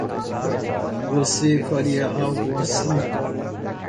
Você faria algo assim?